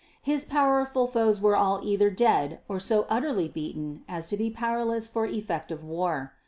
His powerful foes were all either dead or so utterly beaten as to be powerless for effective war.